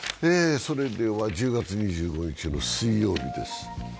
１０月２５日の水曜日です。